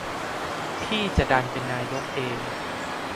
พี่จะดันเป็นนายกเอง